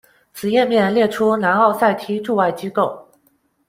此页面列出南奥塞梯驻外机构。